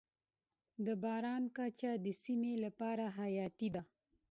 د باران کچه د سیمې لپاره حیاتي ده.